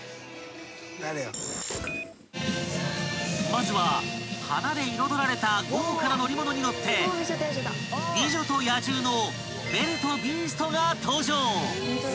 ［まずは花で彩られた豪華な乗り物に乗って『美女と野獣』のベルとビーストが登場］